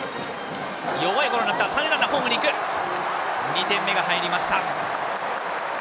２点目が入りました。